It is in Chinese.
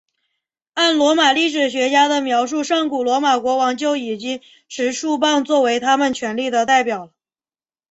按罗马历史学家的描述上古罗马国王就已经持束棒作为他们权力的代表了。